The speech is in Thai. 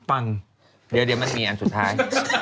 ฟังเดี๋ยวมันมีอันสุดท้าย